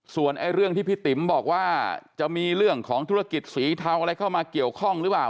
ส่วนเรื่องที่พี่ติ๋มบอกว่าจะมีเรื่องของธุรกิจสีเทาอะไรเข้ามาเกี่ยวข้องหรือเปล่า